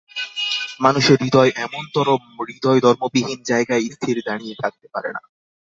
মানুষের হৃদয় এমনতরো হৃদয়ধর্মবিহীন জায়গায় স্থির দাঁড়িয়ে থাকতে পারে না।